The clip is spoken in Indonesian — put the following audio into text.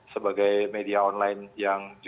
sebagai media online yang